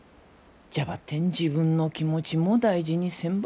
じゃばってん自分の気持ちも大事にせんば。